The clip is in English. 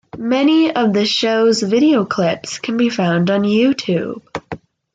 Many of the shows video clips can be found on YouTube.